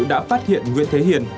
đã phát hiện nguyễn thế hiền